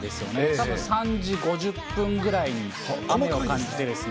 たぶん３時５０分ぐらいに雨を感じて。